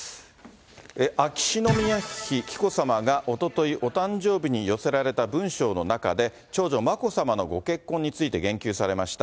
秋篠宮妃紀子さまがおととい、お誕生日に寄せられた文章の中で、長女、眞子さまのご結婚について言及されました。